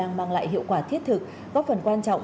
và đang mang lại hiệu quả thiết thực góp phần quan trọng